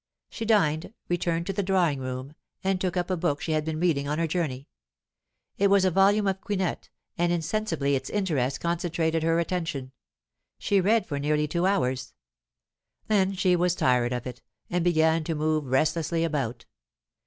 She dined, returned to the drawing room, and took up a book she had been reading on her journey. It was a volume of Quinet, and insensibly its interest concentrated her attention. She read for nearly two hours. Then she was tired of it, and began to move restlessly about.